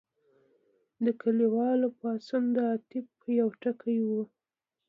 د کلیوالو پاڅون د عطف یو ټکی و.